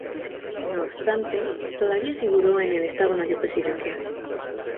No obstante, todavía figuró en el Estado Mayor Presidencial.